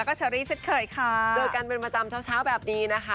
แล้วก็เชอรี่เช่นเคยค่ะเจอกันเป็นประจำเช้าเช้าแบบนี้นะคะ